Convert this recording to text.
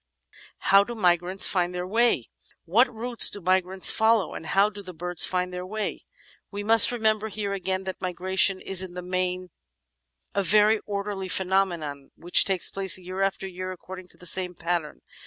How do Migrants Find their Way? What routes do migrants follow, and how do the birds find their way? We must remember here, again, that migration is in the main a very orderly phenomenon which takes place year after year according to the same pattern.